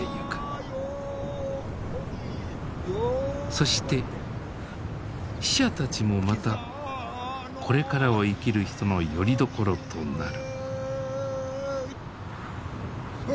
そして死者たちもまたこれからを生きる人のよりどころとなる。